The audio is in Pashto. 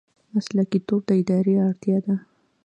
مسلکي توب د ادارې اړتیا ده